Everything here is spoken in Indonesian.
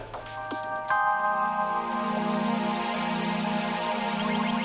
sampai jumpa lalu istriku ke tindi